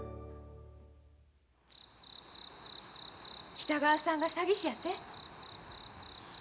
北川さんが詐欺師やて？